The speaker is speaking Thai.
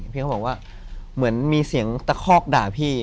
พี่เขาบอกว่าเหมือนมีเสียงตะคอกด่าพี่